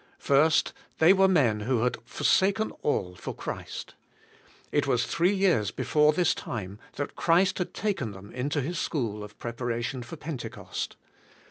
1. They were men who had forsaken all for Chi'ist. It was three years before this time that Christ had taken them into His school of prepara tion for Pentecost.